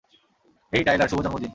হেই Tyler, শুভ জন্মদিন।